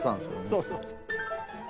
そうそうそう。